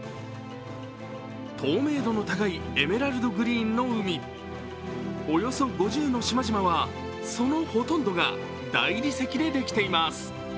透明度の高いエメラルドグリーンの海、およそ５０の島々はそのほとんどが大理石でできています。